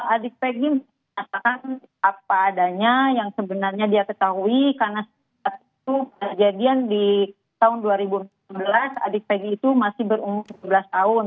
adik pegi menyatakan apa adanya yang sebenarnya dia ketahui karena itu kejadian di tahun dua ribu sebelas adik pegi itu masih berumur dua belas tahun